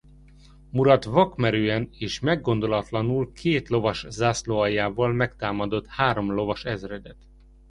Murat vakmerően és meggondolatlanul két lovas zászlóaljával megtámadott három lovas ezredet.